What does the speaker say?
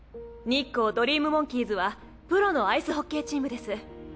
日光ドリームモンキーズはプロのアイスホッケーチームです。